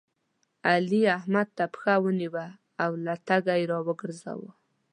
احمد؛ علي ته پښه ونيوله او له تګه يې راوګرځاوو.